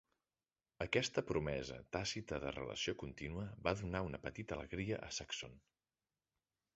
Aquesta promesa tàcita de relació contínua va donar una petita alegria a Saxon.